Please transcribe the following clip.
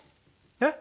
えっ？